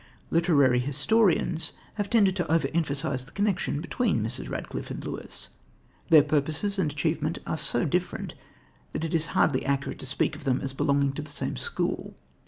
Literary historians have tended to over emphasise the connection between Mrs. Radcliffe and Lewis. Their purposes and achievement are so different that it is hardly accurate to speak of them as belonging to the same school.